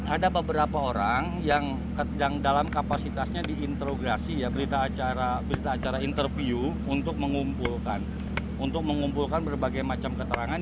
ada beberapa orang yang dalam kapasitasnya diinterograsi ya berita acara interview untuk mengumpulkan berbagai macam keterangan